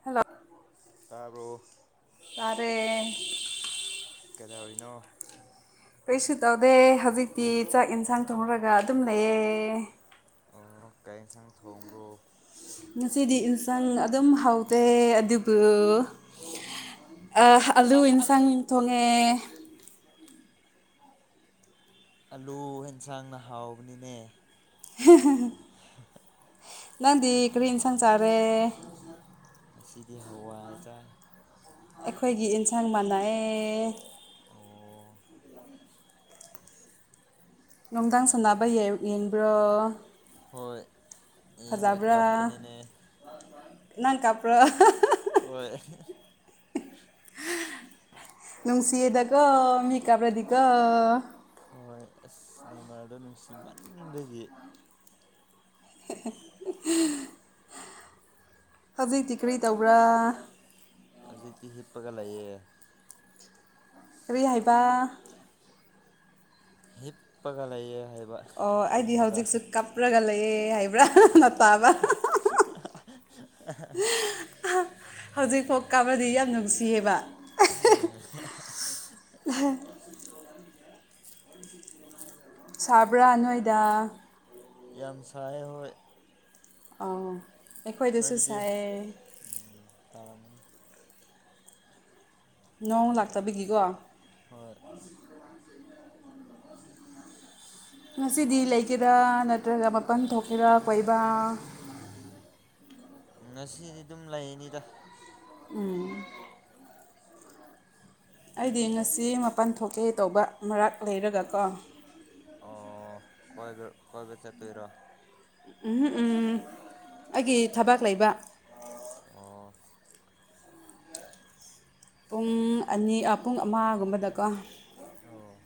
hello ꯇꯥꯕ꯭ꯔꫭ ꯇꯥꯔꯦ ꯀꯩꯗꯧꯔꯤꯅꯣ ꯀꯔꯤꯁꯨ ꯇꯧꯗꯦ ꯍꯧꯖꯤꯛꯇꯤ ꯆꯥꯛ ꯌꯦꯟꯁꯥꯡ ꯊꯣꯡꯔꯒ ꯑꯗꯨꯝ ꯂꯩꯌꯦ ꯑꯣ ꯀꯩ ꯏꯟꯁꯥꯡ ꯊꯣꯡꯕ꯭ꯔꯣ ꯉꯁꯤꯗꯤ ꯏꯟꯁꯥꯡ ꯑꯗꯨꯝ ꯍꯥꯎꯇꯦ ꯑꯗꯨꯕꯨ ꯑꯂꯨ ꯏꯟꯁꯥꯡ ꯊꯣꯡꯉꯦ ꯑꯂꯨ ꯍꯦꯟꯁꯥꯡꯅ ꯍꯥꯎꯕꯅꯤꯅꯦ [inaudible] ꯅꯪꯗꯤ ꯀꯔꯤ ꯏꯟꯁꯥꯡ ꯆꯥꯔꯦ ꯉꯁꯤꯗꯤ ꯍꯋꯥꯏ ꯆꯥꯏ ꯑꯩꯈꯣꯏꯒꯤ ꯌꯦꯟꯁꯥꯡ ꯃꯥꯅꯥ ꯑꯦ ꯑꯣ ꯅꯨꯡꯗꯥꯡ ꯁꯥꯟꯅꯕ ꯌꯦꯔ ꯌꯦꯡꯕ꯭ꯔꯣ ꯍꯣꯏ ꯌꯦꯡꯉ ꯐꯖꯕ꯭ꯔꯥ ꯀꯞꯄꯅꯤꯅꯦ ꯅꯪ ꯀꯥꯞꯄ꯭ꯔꯥ ꯍꯣꯏ ꯅꯨꯡꯁꯤꯌꯦꯗꯀꫭ ꯃꯤ ꯀꯞꯔꯗꯤꯀꫭ ꯍꯣꯏ ꯑꯁ ꯅꯦꯃꯥꯔꯗꫭ ꯅꯨꯡꯁꯤꯃꯟꯕꯒꯤ [inaudible] ꯍꯧꯖꯤꯛꯇꯤ ꯀꯔꯤ ꯇꯧꯕ꯭ꯔꯥ ꯍꯧꯖꯤꯛꯇꯤ ꯍꯤꯞꯄꯒ ꯂꯩꯌꯦ ꯀꯔꯤ ꯍꯥꯏꯕ ꯍꯤꯞꯄꯒ ꯂꯩꯌꯦ ꯍꯥꯏꯕ ꯑꯣ ꯑꯩꯗꯤ ꯇꯨꯝꯃꯒ ꯍꯧꯖꯤꯛꯁꯨ ꯀꯞꯔꯒ ꯂꯩꯌꯦ ꯍꯥꯏꯕ꯭ꯔꯥ ꯅ ꯇꯥꯕ [inaudible] ꯍꯧꯖꯤꯛꯐꯥꯎ ꯀꯞꯔꯗꯤ ꯌꯥꯝ ꯅꯨꯡꯁꯤꯌꯦꯕ ꯍꯨꯝ ꯁꯥꯕ꯭ꯔꯥ ꯅꯣꯏꯗ ꯌꯥꯝ ꯁꯥꯏꯌꯦ ꯍꯣꯏ ꯑꫭ ꯅꯣꯏꯗꯗꯤ ꯎꯝ ꯁꯥꯔꯝꯒꯅꯤ ꯅꯣꯡ ꯂꯥꯛꯇꯕꯤꯒꯤꯀꯣ ꯍꯣꯏ ꯉꯁꯤꯗꯤ ꯂꯩꯒꯦꯔꯥ ꯅꯠꯇ꯭ꯔꯒ ꯃꯄꯟ ꯊꯣꯛꯀꯦꯔꯥ ꯀꯣꯏꯕ ꯉꯁꯤꯅꯤ ꯑꯗꯨꯝ ꯂꯩꯅꯤꯗ ꯎꯝ ꯑꯩꯗꯤ ꯉꯁꯤ ꯃꯥꯄꯟ ꯊꯣꯛꯀꯦ ꯇꯧꯕ ꯃꯔꯥꯛ ꯂꯩꯔꯒ ꯀꯣ ꯑꯣ ꯀꫭꯏꯕ ꯀꯣꯏꯕ ꯆꯠꯇꯣꯏꯔꯣ ꯎꯍꯨ ꯎꯝ ꯑꯩꯒꯤ ꯊꯕꯥꯛ ꯂꯩꯕ ꯑꫭ ꯄꯨꯡ ꯑꯅꯤ ꯑꯥ ꯄꯨꯡ ꯑꯃꯒꯨꯝꯕꯗꯀꯣ ꯑꯣ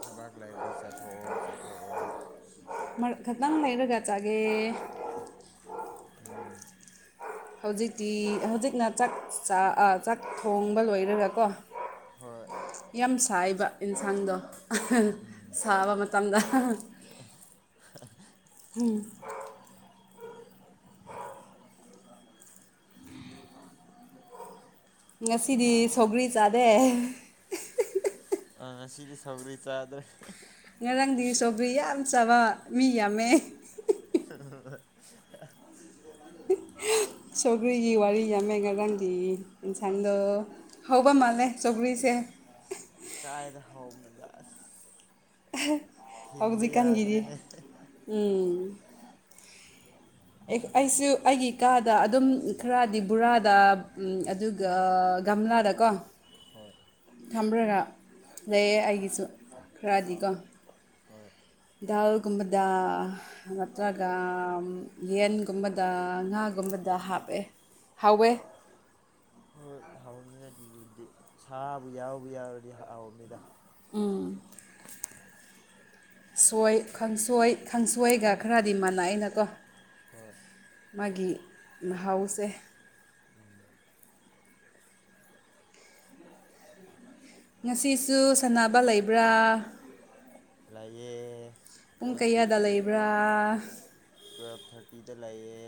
ꯊꯕꯥꯛ ꯂꯩꯥꯔꯗꯤ ꯆꯠꯊꯣꯛꯑꯣ ꯆꯠꯊꯣꯛꯑꯣ ꯃꯔꯛ ꯈꯠꯇꯪ ꯂꯩꯔꯒ ꯆꯥꯒꯦ ꯎꯝ ꯍꯧꯖꯤꯛꯇꯤ ꯍꯧꯖꯤꯛꯅ ꯆꯥꯛ ꯆꯥ ꯑꯥ ꯆꯥꯛ ꯊꯣꯡꯕ ꯂꯣꯏꯔꯒꯀꯣ ꯍꯣꯏ ꯌꯥꯝ ꯁꯥꯏꯕ ꯏꯟꯁꯥꯡꯗꯣ ꯎꯝ ꯁꯥꯕ ꯃꯇꯝꯗ [unintelligible] ꯎꯝ ꯉꯁꯤꯗꯤ ꯁꯧꯒ꯭ꯔꯤ ꯆꯥꯗꯦ ꯑꯥ ꯉꯁꯤꯗꯤ ꯁꯧꯒꯔꯤ ꯆꯥꯗ꯭ꯔꯦ ꯉꯔꯥꯡꯗꯤ ꯁꯣꯒꯔ꯭ꯤ ꯌꯥꯝ ꯆꯥꯕ ꯃꯤ ꯌꯥꯝꯃꯦ [unintelligible] [unintelligible] ꯁꯧꯒꯔꯤꯒꯤ ꯋꯥꯔꯤ ꯌꯥꯝꯃꯦ ꯉꯔꯥꯡꯗꯤ ꯏꯟꯁꯥꯡꯗ ꯍꯧꯕ ꯃꯥꯂꯦ ꯆꯧꯒꯔꯤꯁꯦ ꯀꯥꯏꯗ ꯍꯥꯎꯕꯅꯣꯗ ꯑꯁ ꯑꯍ ꯊꯤꯟꯕ ꯌꯥꯗ꯭ꯔꯦꯅꯦ ꯍꯦꯍꯦ ꯎꯝ ꯑꯩ ꯑꯩꯁꯨ ꯑꯩꯒꯤ ꯀꯥꯗ ꯑꯗꯨꯝ ꯈꯔꯗꯤ ꯕꯨꯔꯥꯗ ꯎꯝ ꯑꯗꯨ ꯑ ꯒꯝꯂꯥꯗꯀꯣ ꯍ ꯊꯝꯕ꯭ꯔꯒ ꯂꯩꯌꯦ ꯑꯩꯒꯤꯁꯨ ꯈꯔꯗꯤꯀꯣ ꯍꯣꯏ ꯗꯥꯎꯒꯨꯝꯕꯗꯥ ꯅꯠꯇ꯭ꯔꯒ ꯌꯦꯟꯒꯨꯝꯕꯗ ꯉꯥꯒꯨꯝꯕꯗ ꯍꯥꯞꯑꯦ ꯍꯥꯎꯋꯦ ꯍꯥꯎꯅꯦ ꯑꯗꯨꯗꯨꯗꯤ ꯁꯥꯥꯕꯨ ꯌꯥꯎꯕꯨ ꯌꯥꯎꯔꯗꯤ ꯍꯥꯎꯅꯤꯗ ꯎꯝ ꯁꯣꯏ ꯈꯪꯁꯣꯏ ꯈꯪꯁꯣꯏꯒ ꯈꯔꯗꯤ ꯃꯥꯟꯅꯩꯅꯀꯣ ꯍꯣꯏ ꯃꯥꯒꯤ ꯃꯍꯥꯎꯁꯦ ꯎꯝ ꯉꯁꯤꯁꯨ ꯁꯥꯟꯅꯕ ꯂꯩꯕ꯭ꯔꯥ ꯂꯩꯌꯦ ꯄꯨꯡ ꯀꯌꯥꯗ ꯂꯩꯕ꯭ꯔꯥ ꯇꯨꯌꯦꯜꯞ ꯊꯥꯔꯇꯤꯗ ꯂꯩꯌꯦ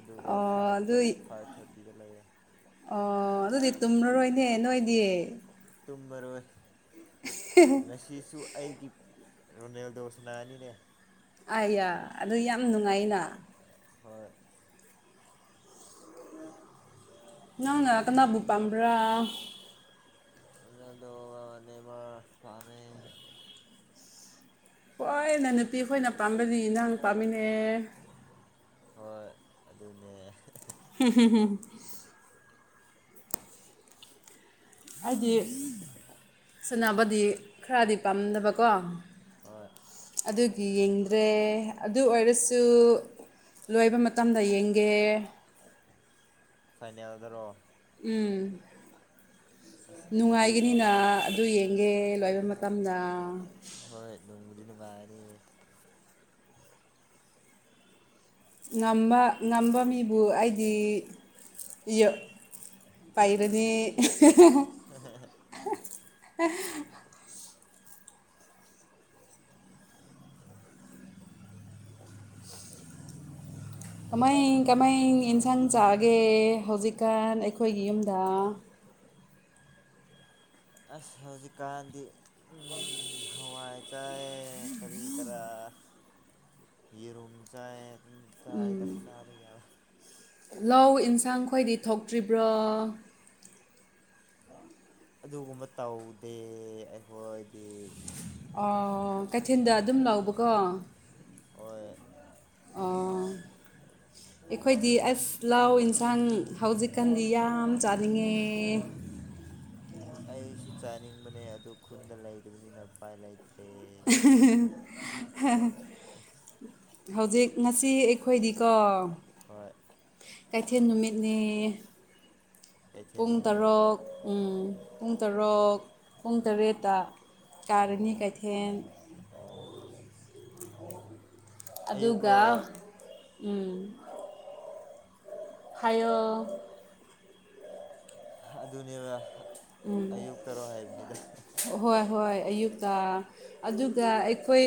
ꯑꯗꯨꯒ ꯑꯣ ꯑꯗꯨ ꯐꯥꯏꯞꯇ ꯐꯥꯏꯞ ꯊꯥꯔꯇꯤꯗ ꯂꯩꯌꯦ ꯑꯣ ꯑꯗꯨꯗꯤ ꯇꯨꯝꯂꯔꯣꯏꯅꯦ ꯅꯣꯏꯗꯤ ꯇꯨꯝꯃꯔꯣꯏ ꯉꯁꯤꯁꯨ ꯑꯩꯒꯤ ꯔꯣꯅꯦꯜꯗꯣ ꯁꯅꯥꯅꯤꯅꯦ ꯑꯌꯥ ꯑꯗꯨ ꯌꯥꯝ ꯅꯨꯡꯉꯥꯏꯅ ꯍꯣꯏ ꯅꯪꯅ ꯀꯅꯥꯕꯨ ꯄꯥꯝꯕ꯭ꯔꯥ ꯔꯣꯅꯥꯗꯣꯒ ꯅꯦꯃꯥꯔ ꯄꯥꯃꯦ ꯍꯣꯏꯅ ꯅꯨꯄꯤ ꯈꯣꯏꯅ ꯄꯥꯝꯕꯗꯤ ꯅꯪ ꯄꯥꯝꯃꯤꯅꯦ ꯍꯣꯏ ꯑꯗꯨꯅꯦ ꯎꯝ ꯍꯝ ꯎꯝ ꯑꯩꯗꯤ ꯁꯥꯟꯅꯕꯗꯤ ꯈꯔꯗꯤ ꯄꯥꯝꯗꯕꯀꯣ ꯍꯣꯏ ꯑꯗꯨꯒꯤ ꯌꯦꯡꯗ꯭ꯔꯦ ꯑꯗꯨ ꯑꯣꯏꯔꯁꯨ ꯂꯣꯏꯕ ꯃꯇꯝꯗ ꯌꯦꯡꯒꯦ ꯐꯥꯏꯅꯦꯜꯗꯔꯣ ꯎꯝ ꯑꯁ ꯑꯗꯨꯗꯤ ꯅꯨꯡꯉꯥꯏꯒꯅꯤꯅ ꯑꯗꯨ ꯌꯦꯡꯒꯦ ꯂꯣꯏꯕ ꯃꯇꯝꯗ ꯍꯣꯏ ꯅꯨꯡꯕꯨꯗꯤ ꯅꯨꯡꯉꯥꯏꯅꯤ ꯉꯝꯕ ꯉꯝꯕ ꯃꯤꯕꯨ ꯑꯩꯗꯤ ꯌ ꯄꯥꯏꯔꯅꯤ [unintelligible] ꯀꯃꯥꯏ ꯀꯃꯥꯏ ꯌꯦꯟꯁꯥꯡ ꯆꯥꯛꯒꯦ ꯍꯧꯖꯤꯛꯀꯥꯟ ꯑꯩꯈꯣꯏꯒꯤ ꯌꯨꯝꯗ ꯑꯁ ꯍꯧꯖꯤꯛ ꯀꯥꯟꯗꯤ ꯎ ꯍꯋꯥꯏ ꯆꯥꯏꯦ ꯀꯔꯤ ꯀꯔꯥ ꯌꯦꯔꯨꯝ ꯆꯥ ꯆꯥꯏꯗꯐ ꯆꯕ ꯌꯥꯕ ꯂꯧ ꯑꯦꯟꯁꯥꯡ ꯈꯣꯏꯗꯤ ꯊꯣꯛꯇ꯭ꯔꯤꯕ꯭ꯔꯣ ꯑꯗꯨꯒꯨꯝꯕ ꯇꯧꯗꯦ ꯑꯩꯈꯣꯏꯗꯤ ꯑꯣ ꯀꯩꯊꯦꯜꯗ ꯑꯗꯨꯝ ꯂꯧꯕꯀꯣ ꯍꯣꯏ ꯑꯣ [inaudible] ꯑꯩꯈꯣꯏꯗꯤ ꯑꯁ ꯂꯥꯎ ꯌꯦꯟꯁꯥꯡ ꯍꯧꯖꯤꯛꯀꯥꯟꯗꯤ ꯌꯥꯝ ꯆꯥꯅꯤꯡꯉꯦ ꯑꯩꯁꯨ ꯆꯥꯅꯤꯡꯕꯅꯦ ꯑꯗꯨ ꯈꯨꯟꯗ ꯂꯩꯕꯅꯤꯅ ꯄꯥꯏ ꯂꯩꯇ꯭ꯔꯦ ꯑꯩ ꯍꯧꯖꯤꯛ ꯉꯁꯤ ꯑꯩꯈꯣꯏꯗꯤꯀꯣ ꯍꯣꯏ ꯀꯩꯊꯦꯜ ꯅꯨꯃꯤꯠꯅꯤ ꯀꯩꯊꯦꯜ ꯄꯨꯡ ꯅꯨꯃꯤꯠ ꯇꯔꯨꯛ ꯄꯨꯡ ꯇꯔꯨꯛ ꯄꯨꯡ ꯇꯔꯦꯠꯇ ꯀꯥꯔꯅꯤ ꯀꯩꯊꯦꯟ ꯑ ꯑꯗꯨꯒ ꯑꯌꯨꯛꯔꯣ ꯎ ꯍꯥꯏꯌꯣ ꯑꯗꯨꯅꯦꯕ ꯑꯌꯨꯛ ꯇꯔꯣ ꯍꯥꯏꯕꯅꯤꯗ ꯍꯣꯏ ꯍꯣꯏ ꯑꯌꯨꯛꯇ ꯑꯗꯨꯒ ꯑꯩꯈꯣꯏ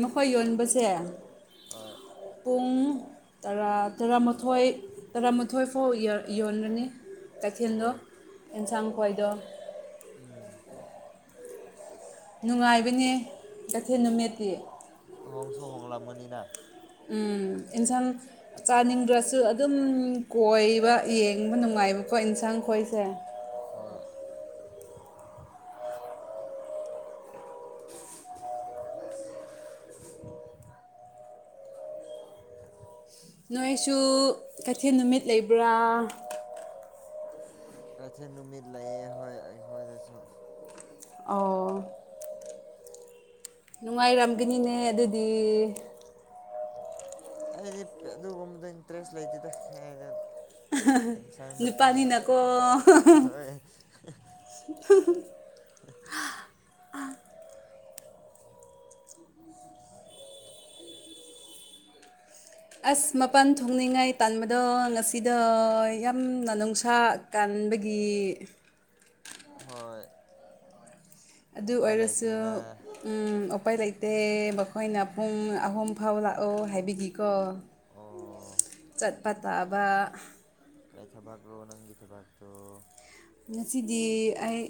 ꯃꯈꯣꯏ ꯌꯣꯟꯕꯁꯦ ꯑ ꯄꯨꯡ ꯔ ꯇꯔꯥꯃꯥꯊꯣꯏ ꯇꯔꯥꯃꯥꯊꯣꯏ ꯐꯥꯎ ꯌꯣꯟꯒꯅꯤ ꯀꯩꯊꯦꯜꯗꯣ ꯑꯣ ꯑꯦꯟꯁꯥꯡ ꯈ꯭ꯋꯥꯏꯗꯣ ꯎꯝ ꯅꯨꯡꯉꯥꯏꯕꯅꯦ ꯀꯩꯊꯦꯜ ꯅꯨꯃꯤꯠꯇꯤ ꯍꯍꯣꯡ ꯁ ꯍꯣꯡ ꯂꯝꯃꯅꯤꯅꯅꯥ ꯎꯝ ꯏꯟꯁꯥꯟ ꯆꯥꯅꯤꯡꯗ꯭ꯔꯁꯨ ꯑꯗꯨꯝ ꯀꯣꯏꯕ ꯌꯦꯡꯕ ꯅꯨꯡꯉꯥꯏꯕꯀꯣ ꯌꯦꯟꯁꯥꯡ ꯈꯣꯏꯁꯦ ꯍꯣꯏ ꯅꯣꯏꯁꯨ ꯀꯩꯊꯦꯜ ꯅꯨꯃꯤꯠ ꯂꯩꯕ꯭ꯔꯥ ꯀꯁ ꯅꯨꯃꯤꯠ ꯂꯩꯌꯦꯦ ꯍꯣꯏ ꯑꯩꯈꯣꯏꯗꯁꯨ ꯑꯣ ꯅꯨꯡꯉꯥꯏꯔꯝꯒꯅꯤꯅꯦ ꯑꯗꯨꯗꯤ ꯑꯩꯗꯤ ꯑꯗꯨꯒꯨꯝꯕꯗ ꯏꯟꯇꯔꯦꯁ ꯂꯩꯇꯦꯗꯅ ꯑꯦꯟꯁꯥꯡ ꯅꯥꯄꯤ ꯅꯨꯄꯥꯅꯤꯅꯀꯣ ꯍꯣꯏ [inaudible] [inaudible] ꯑꯁ ꯃꯄꯥꯟ ꯊꯣꯡꯅꯤꯡꯉꯥꯏ ꯇꯥꯟꯕꯗꯣ ꯉꯁꯤꯗ ꯌꯥꯝꯅ ꯅꯨꯡꯁꯥ ꯀꯟꯥꯟꯕꯒꯤ ꯍꯣꯏ ꯑꯗꯨ ꯎꯄꯥꯏ ꯑꯣꯏꯔꯁꯨ ꯂꯩꯇ꯭ꯔꯦꯅ ꯎ ꯎꯄꯥꯏ ꯂꯩꯇꯦ ꯃꯈꯣꯏꯅ ꯄꯨꯡ ꯑꯍꯨꯝ ꯐꯥꯎ ꯂꯥꯛꯑꯣ ꯍꯥꯏꯕꯤꯈꯤꯒꯦ ꯀꯣ ꯑꯣ ꯆꯠꯄ ꯇꯥꯕ ꯀꯥꯏꯊꯕꯒ꯭ꯔꯣ ꯅꯪ ꯒꯤ ꯊꯕꯥꯛꯇꯣ ꯉꯁꯤꯗꯤ ꯑꯩ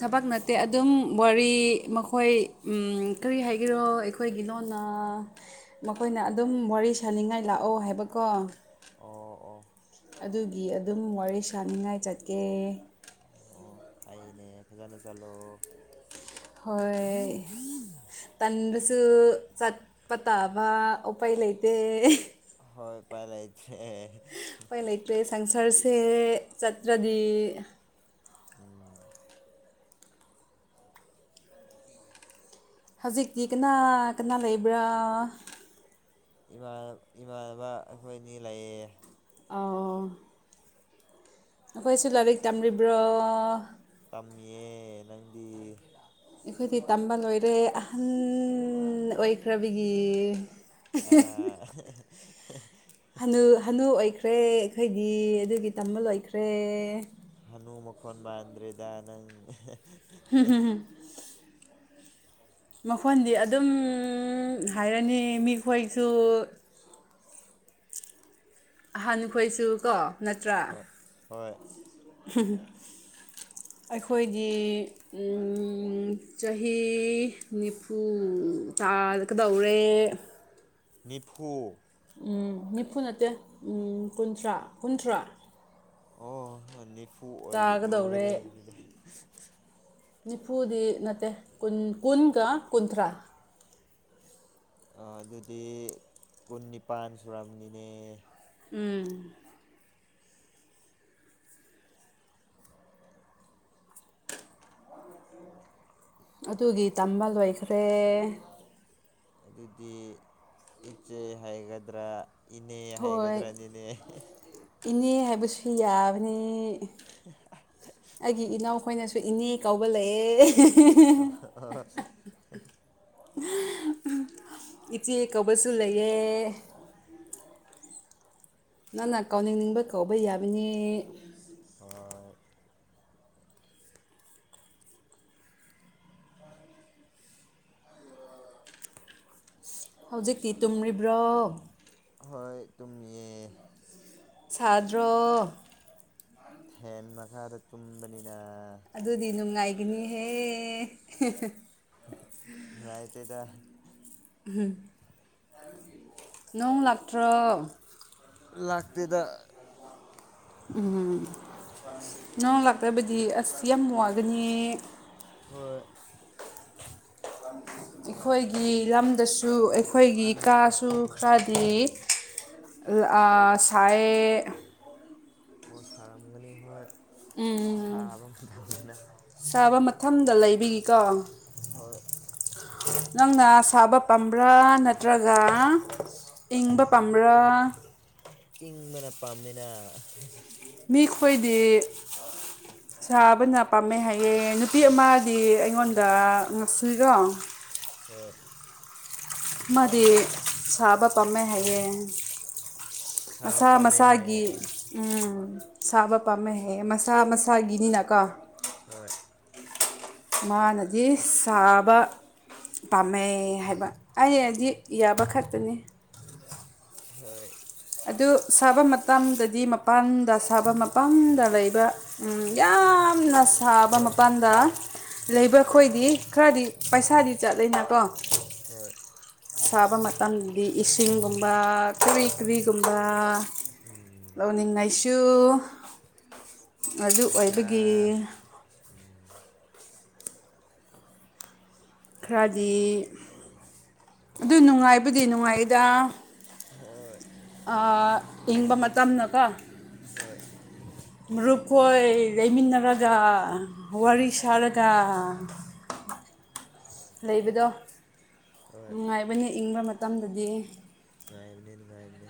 ꯊꯕꯛ ꯅꯠꯇꯦ ꯑꯗꯨꯝ ꯋꯥꯔꯤ ꯃꯈꯣꯏ ꯀꯔꯤ ꯍꯥꯏꯒꯔꯣ ꯑꯩꯈꯣꯏꯒꯤ ꯂꯣꯅ ꯃꯈꯣꯏꯅ ꯑꯗꯨꯝ ꯋꯥꯔꯤ ꯁꯅꯤꯡꯉꯥꯏ ꯂꯥꯛꯑꯣ ꯍꯥꯏꯕꯀꯣ ꯑꯣ ꯑꯣ ꯑꯗꯨꯒꯤ ꯑꯗꯨꯝ ꯋꯥꯔꯤ ꯁꯥꯟꯅꯤꯡꯉꯥꯏ ꯆꯠꯀꯦ ꯑꯣ ꯑꯣ ꯍꯅꯦ ꯐꯖꯅ ꯆꯠꯂꯣ ꯍꯣꯏ ꯇꯟꯗꯁꯨ ꯆꯠꯄ ꯇꯥꯕ ꯎꯄꯥꯏ ꯂꯩꯇꯦ ꯍꯣꯏ ꯄꯥꯏꯂꯁ ꯑꯩꯈꯣꯏ ꯂꯩꯇ꯭ꯔꯦ ꯁꯪꯁꯔꯁꯦ ꯆꯠꯇ꯭ꯔꯗꯤ ꯎꯝ ꯂꯣ ꯄꯤꯁ ꯍꯧꯖꯤꯛꯇꯤ ꯀꯅꯥ ꯀꯅꯥ ꯂꯩꯕ꯭ꯔꯥ ꯏꯃꯥꯟꯅꯕ ꯑꯩꯈꯣꯏ ꯑꯅꯤ ꯂꯩꯌꯦ ꯑꯥ ꯑꯩꯈꯣꯏꯁꯨ ꯂꯥꯏꯔꯤꯛ ꯇꯝꯕ꯭ꯔꯣ ꯇꯝꯌꯦꯦ ꯅꯪꯗꯤ ꯑꯩꯈꯣꯏꯗꯤ ꯇꯝꯕ ꯂꯣꯏꯔꯦ ꯑꯍꯟ ꯑꯣꯏꯈ꯭ꯔꯕꯒꯤ ꯑ ꯍꯥꯅꯨ ꯍꯅꯨ ꯑꯣꯏꯈ꯭ꯔꯦ ꯑꯩꯈꯣꯏꯗꯤ ꯑꯗꯨꯒꯤ ꯇꯝꯃꯜ ꯑꯣꯏꯈ꯭ꯔꯦ ꯍꯥꯅꯨ ꯃꯈꯣꯟ ꯃꯥꯟꯗ꯭ꯔꯦꯗ ꯅꯪ ꯑ ꯃꯈꯣꯟꯗꯤ ꯑꯗꯨꯝ ꯍꯥꯏꯔꯅꯤ ꯃꯤꯈꯣꯏꯁꯨ ꯑꯥ ꯑꯍꯥꯟꯈꯣꯏꯁꯨ ꯀꯣ ꯅꯠꯇ꯭ꯔꯥ ꯍꯣꯏ ꯍꯣꯏ ꯑꯩꯈꯣꯏꯒꯤ ꯆꯍꯤ ꯅꯤꯐꯨ ꯇꯥꯀꯗꯧꯔꯦ ꯅꯤꯐꯨ ꯎꯝ ꯅꯤꯐꯨ ꯅꯠꯇꯦꯝ ꯀꯨꯟꯊ꯭ꯔꯥ ꯀꯨꯟꯊ꯭ꯔꯥ ꯑꯣ ꯅꯤꯐꯨ ꯑꯣꯏꯔꯗꯤ ꯂꯣꯏꯈꯔꯦ ꯇꯥꯒꯗꯧꯔꯦ ꯍꯥꯏꯕꯅꯤꯅꯦ ꯅꯤꯐꯨꯗꯤ ꯅꯠꯇꯦ ꯀꯨꯟꯒ ꯀꯨꯟꯊ꯭ꯔꯥ ꯑꯗꯨꯗꯤ ꯀꯨꯟ ꯅꯤꯄꯥꯥꯟ ꯁꯨꯔꯝꯅꯤꯅꯦ ꯎꯝ ꯑꯗꯨꯒꯤ ꯇꯝꯕ ꯂꯣꯏꯈ꯭ꯔꯦ ꯑꯗꯨꯗꯤ ꯏꯆꯦ ꯍꯥꯏꯒꯗ꯭ꯔꯥ ꯏꯅꯦ ꯍꯣꯏ ꯍꯥꯏꯒꯗ꯭ꯔꯥꯅꯤ ꯏꯅꯦ ꯏꯅꯦ ꯍꯥꯏꯕꯁꯨ ꯌꯥꯕꯅꯤ ꯍ ꯑꯩꯒꯤ ꯏꯅꯥꯎꯈꯣꯏꯅꯁꯨ ꯏꯅꯦ ꯀꯧꯕ ꯂꯩꯑꯦ [inaudible] ꯏꯆꯦ ꯀꯕꯁꯨ ꯂꯩꯌꯦ ꯅꯪꯅ ꯀꯥꯎꯅꯤꯡꯅꯤꯡꯕ ꯀꯧꯕ ꯌꯥꯕꯅꯤ ꯍꯣꯏ ꯊ ꯍꯧꯖꯤꯛꯇꯤ ꯇꯨꯝꯔꯤꯕ꯭ꯔꯣ ꯍꯣꯏ ꯇꯨꯝ ꯌꯦ ꯁꯥꯗ꯭ꯔꯣ ꯐꯦꯟ ꯃꯈꯥꯗ ꯇꯨꯝꯕꯅꯤꯅ ꯑꯗꯨꯗꯤ ꯅꯨꯡꯉꯥꯏꯒꯅꯤꯍꯦ ꯉꯥꯏ ꯇꯦꯗ ꯎ ꯅꯣꯡ ꯂꯥꯛꯇ꯭ꯔꯣ ꯂꯥꯛꯇꯦꯗ ꯎꯝ ꯅꯪ ꯂꯥꯛꯇꯕꯗꯤ ꯑꯁ ꯌꯥꯝ ꯋꯥꯒꯅꯤ ꯍꯣꯏ [inaudible] ꯑꯩꯈꯣꯏꯒꯤ ꯂꯝꯗꯁꯨ ꯑꯩꯈꯣꯏꯒꯤ ꯀꯥꯁꯨ ꯈꯔꯗꯤ ꯁꯌꯦ ꯑꯣ ꯁꯥꯔꯝꯒꯅꯤ ꯍꯣꯏ ꯁꯥꯕ ꯃꯇꯝꯅꯤꯅ ꯁꯥꯕ ꯃꯊꯝꯗ ꯂꯩꯕꯒꯤꯀꯣ ꯍꯣꯏ ꯅꯪꯅ ꯁꯥꯕ ꯄꯥꯝꯕ꯭ꯔꯥ ꯅꯠꯇ꯭ꯔꯒ ꯏꯪꯕ ꯄꯥꯝꯕ꯭ꯔꯥ ꯏꯪꯕꯅ ꯄꯥꯝꯃꯤꯅ ꯃꯤꯈꯣꯏꯗꯤ [inaudible] ꯁꯥꯕꯅ ꯄꯥꯝꯃꯦ ꯍꯥꯏꯌꯦ ꯅꯨꯄꯤ ꯑꯃꯗꯤ ꯑꯩꯉꯣꯟꯗ ꯉꯥꯛꯁꯨꯨꯏꯔꯣ ꯍꯣꯏ ꯃꯥꯗꯤ ꯁꯥꯕ ꯄꯥꯝꯃꯦ ꯍꯥꯏꯌꯦ ꯁꯥꯕ ꯃꯁꯥ ꯄꯥꯝꯃꯦꯅ ꯃꯁꯥꯒꯤ ꯍꯥꯏꯌꯦ ꯎꯝ ꯁꯥꯕ ꯄꯥꯝꯃꯦ ꯍꯦꯛ ꯃꯁꯥ ꯃꯁꯥꯒꯤꯅꯤꯅꯀꯣ ꯍꯣꯏ ꯃꯥꯅꯗꯤ ꯁꯥꯕ ꯄꯥꯝꯃꯦ ꯑꯦ ꯍꯥꯏꯕ ꯑꯩꯗꯤ ꯌꯥꯕ ꯈꯛꯇꯅꯦ ꯍꯣꯏ ꯑꯗꯨ ꯁꯥꯕ ꯃꯇꯝꯗꯗꯤ ꯃꯄꯥꯟꯗ ꯁꯥꯕ ꯃꯄꯥꯟꯗ ꯂꯩꯕ ꯎꯝ ꯌꯥꯝꯅ ꯁꯥꯕ ꯃꯄꯥꯟꯗ ꯂꯩꯕ꯭ꯔꯥ ꯍꯣꯏ ꯈꯣꯏꯗꯤ ꯈꯔꯗꯤ ꯄꯩꯁꯥꯗꯤ ꯆꯠꯂꯤꯅꯦꯀꯣ ꯍꯣꯏ ꯁꯥꯕ ꯃꯇꯝꯗꯗꯤ ꯏꯁꯤꯡꯒꯨꯝꯕ ꯀꯔꯤ ꯀꯔꯤꯒꯨꯝꯕ ꯎꯝ ꯂꯧꯅꯤꯡꯉꯥꯏꯁꯨ ꯑꯗꯨ ꯄꯩꯁꯥ ꯑꯣꯏꯕꯒꯤ ꯎꯝ ꯈꯔꯗꯤ ꯑꯗꯨ ꯅꯨꯡꯉꯥꯏꯕꯨꯗꯤ ꯅꯨꯡꯉꯥꯏꯗ ꯍꯣꯏ ꯑꯥ ꯏꯪꯕ ꯃꯇꯝꯅꯀꯣ ꯍꯣꯏ ꯃꯔꯨꯠꯀꯣꯏ ꯂꯩꯃꯤꯟꯅꯔꯒ ꯋꯥꯔꯤ ꯁꯥꯔꯒ [unintelligible] ꯂꯩꯕꯗꯣ ꯍꯣꯏ ꯅꯨꯡꯉꯥꯏꯕꯅꯤ ꯏꯪꯕ ꯃꯇꯝꯗꯗꯤ ꯥꯅꯨꯡꯉꯥꯏꯕꯅꯦ ꯅꯨꯡꯉꯥꯏꯕꯅꯦ